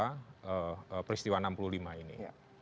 ketua enam puluh lima ini